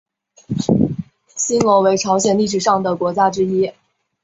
新罗为朝鲜历史上的国家之一。